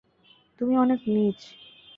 তুমি অনেক নীচ!